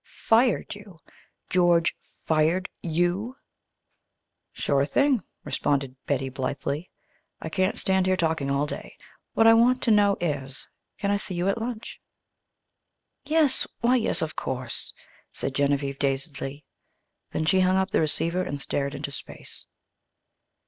"Fired you! George fired you?" "Sure thing," responded Betty blithely. "I can't stand here talking all day. What I want to know is, can I see you at lunch?" "Yes why, yes, of course," said Genevieve, dazedly. Then she hung up the receiver and stared into space.